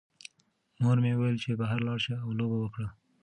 مور مې وویل چې بهر لاړ شه او لوبه وکړه.